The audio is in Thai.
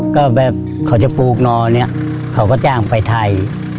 ก็แบบเขาจะปลูกนอเนี่ยเขาก็จ้างไปไทย